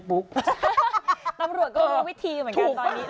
อันตรายกับตัมโลกมันก็เรียกว่าวิธีเหมือนกันใช่ปะ